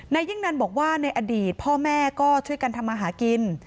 ยิ่งนันบอกว่าในอดีตพ่อแม่ก็ช่วยกันทำมาหากิน